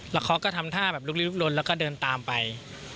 แล้วเขาก็ทำท่าแบบลุกลนแล้วก็เดินตามไป